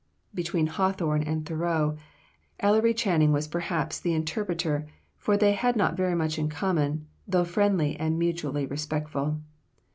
Between Hawthorne and Thoreau, Ellery Channing was perhaps the interpreter, for they had not very much in common, though friendly and mutually respectful.